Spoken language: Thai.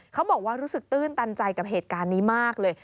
เขาบอกว่ารู้สึกตื้นตันใจกับเหตุการณ์นี้มากเลย